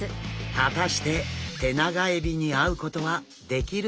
果たしてテナガエビに会うことはできるのでしょうか？